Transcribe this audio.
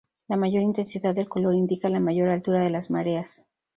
La mayor intensidad del color indica la mayor altura de las mareas.